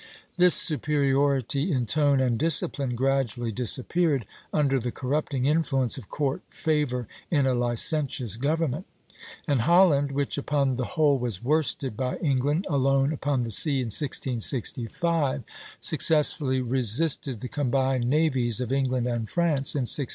This superiority in tone and discipline gradually disappeared under the corrupting influence of court favor in a licentious government; and Holland, which upon the whole was worsted by England alone upon the sea in 1665, successfully resisted the combined navies of England and France in 1672.